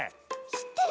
しってる！